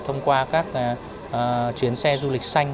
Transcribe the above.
thông qua các chuyến xe du lịch xanh